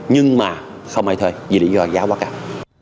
nhưng mà không ai thuê vì lý do giá quá cao